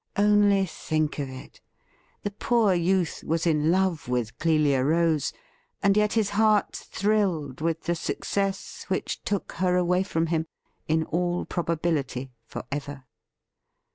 Only think of it! The poor youth was in love with Clelia Rose, and yet his heart thrilled with the success which took her away from him — in all probability for ever.